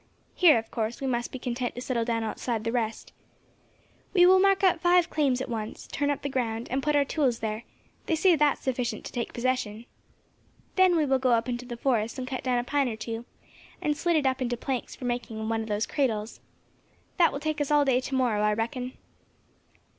Here, of course, we must be content to settle down outside the rest. We will mark out five claims at once, turn up the ground, and put our tools there; they say that's sufficient to take possession. Then we will go up into the forests and cut down a pine or two, and slit it up into planks for making one of those cradles. That will take us all day to morrow, I reckon."